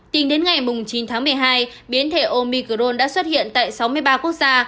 tính đến ngày chín tháng một mươi hai biến thể omicron đã xuất hiện tại sáu mươi ba quốc gia